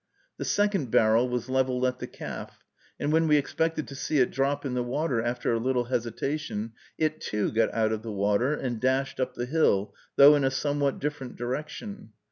The second barrel was leveled at the calf, and when we expected to see it drop in the water, after a little hesitation, it, too, got out of the water, and dashed up the hill, though in a somewhat different direction.